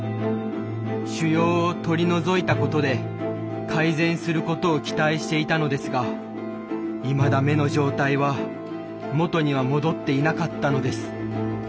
腫瘍を取り除いたことで改善することを期待していたのですがいまだ目の状態は元には戻っていなかったのです。